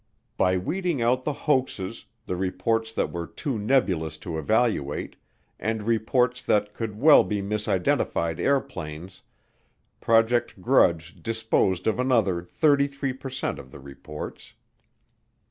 By weeding out the hoaxes, the reports that were too nebulous to evaluate, and reports that could well be misidentified airplanes, Project Grudge disposed of another 33 per cent of the reports.